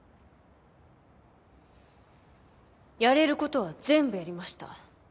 やれる事は全部やりました。